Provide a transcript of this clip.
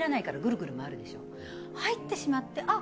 入ってしまってあっ